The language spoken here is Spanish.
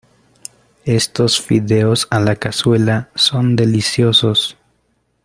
Estos fideos a la cazuela son deliciosos.